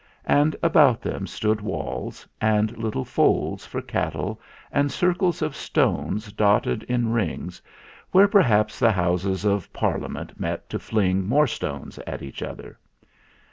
And about them stood walls, and little folds for cattle, and circles of stones dotted in THE MYSTERY MAN 13 rings, where perhaps the Houses of Parlia ment met to fling more stones at each other.